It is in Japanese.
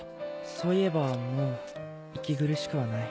そういえばもう息苦しくはない。